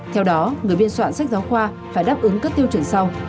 theo đó người biên soạn sách giáo khoa phải đáp ứng các tiêu chuẩn sau